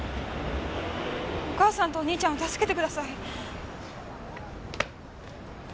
お母さんとお兄ちゃんを助けてください。